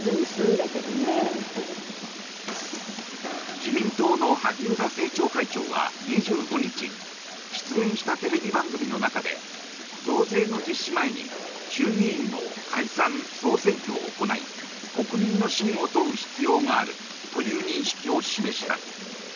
自民党の萩生田政調会長は２５日出演したテレビ番組の中で増税の実施前に衆議院の解散・総選挙を行い国民の信を問う必要があるという認識を示した。